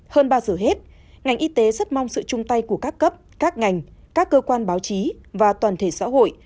hơn bao giờ hết ngành y tế rất mong sự chung tay của các cấp các ngành các cơ quan báo chí và toàn thể xã hội